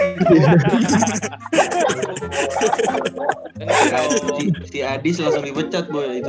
kalau si adis langsung dipecat boya gitu